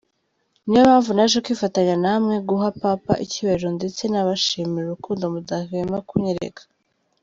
Niyo mpamvu naje kwifatanya na mwe guha papa icyubahiro ndetse nabashimira urukundo mudahwema kunyereka.